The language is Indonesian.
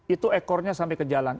itu ekornya sampai ke jalan